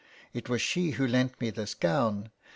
It was she who lent me this gown.